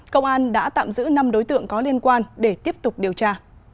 công an đã tạm giữ năm đối tượng có liên quan để tiếp tục điều tra